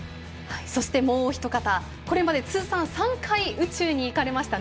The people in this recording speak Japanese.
もうひと方これまで通算３回、宇宙に行かれました